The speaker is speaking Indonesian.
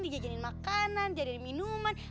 dijajanin makanan jadikan minuman